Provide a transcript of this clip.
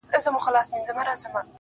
زه د جنتونو و اروا ته مخامخ يمه.